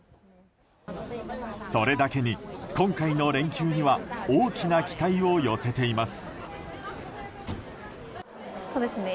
それだけに、今回の連休には大きな期待を寄せています。